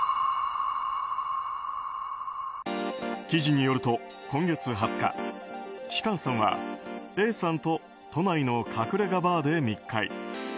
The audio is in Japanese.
記事によると、今月２０日芝翫さんはＡさんと都内の隠れ家バーで密会。